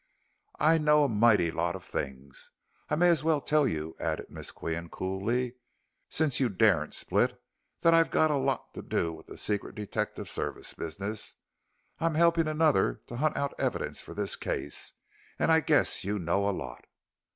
"I know a mighty lot of things. I may as well tell you," added Miss Qian, coolly, "since you daren't split, that I've got a lot to do with the secret detective service business. I'm helping another to hunt out evidence for this case, and I guess you know a lot."